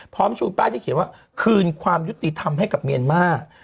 ชูป้ายที่เขียนว่าคืนความยุติธรรมให้กับเมียนมาร์